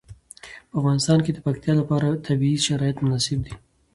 په افغانستان کې د پکتیا لپاره طبیعي شرایط مناسب دي.